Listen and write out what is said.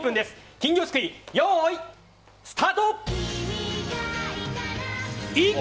金魚すくい、用意、スタート！